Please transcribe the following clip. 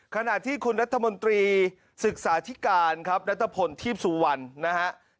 ขณะที่คุณรัฐมนตรีศึกษาธิการครับนัทพลทีพสุวรรณนะฮะ